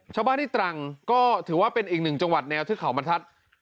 ชาวบ้านที่ตรังก็ถือว่าเป็นอีกหนึ่งจังหวัดแนวเทือกเขาบรรทัศน์